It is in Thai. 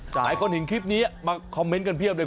แต่ก่อนถึงคลิปนี้มาคอมเมนต์กันเพียบเลย